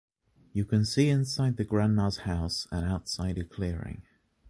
You can see inside the grandma’s house and outside a clearing.